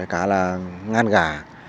cả là ngan gà